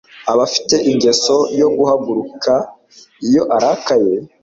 Afite ingeso yo guhaguruka iyo arakaye